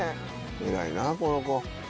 偉いなこの子。